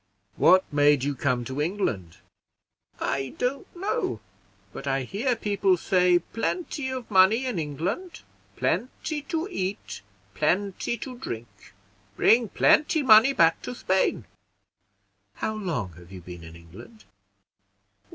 What made you come to England?" "I don't know, but I hear people say, plenty of money in England plenty to eat plenty to drink; bring plenty money back to Spain." "How long have you been in England?"